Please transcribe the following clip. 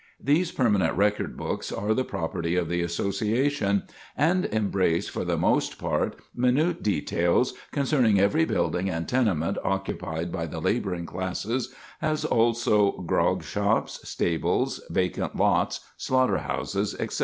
These permanent record books are the property of the Association and embrace for the most part minute details concerning every building and tenement occupied by the laboring classes, as also, grog shops, stables, vacant lots, slaughter houses, etc.